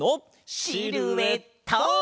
シルエット！